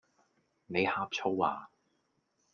你呷醋呀?